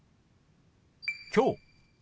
「きょう」。